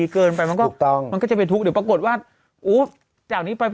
เกินไปมันก็ถูกต้องมันก็จะเป็นทุกข์เดี๋ยวปรากฏว่าโอ้จากนี้ไป